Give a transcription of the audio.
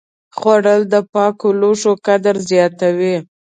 خوړل د پاکو لوښو قدر زیاتوي